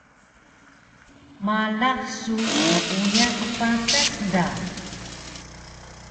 Malax su meuyas patas da!